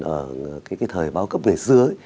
ở cái thời bao cấp ngày xưa